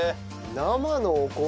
生のお米。